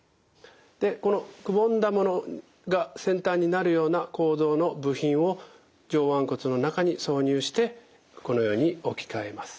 でこのくぼんだものが先端になるような構造の部品を上腕骨の中に挿入してこのように置き換えます。